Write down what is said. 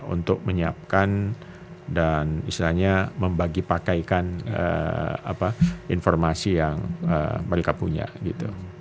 untuk menyiapkan dan istilahnya membagi pakaikan informasi yang mereka punya gitu